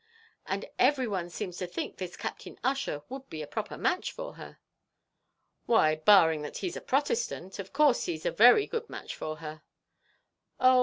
"And every one seems to think this Captain Ussher would be a proper match for her." "Why, barring that he's a Protestant, of course he's a very good match for her." "Oh!